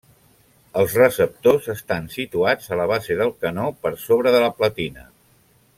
Els receptors estan situats a la base del canó per sobre de la platina.